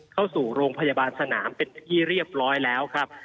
เข้าสู่โรงพยาบาลสนามเป็นที่เรียบร้อยแล้วครับ